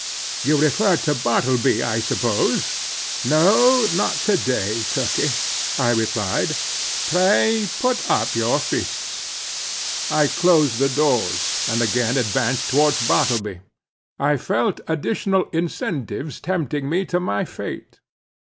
"You refer to Bartleby, I suppose. No, not to day, Turkey," I replied; "pray, put up your fists." I closed the doors, and again advanced towards Bartleby. I felt additional incentives tempting me to my fate.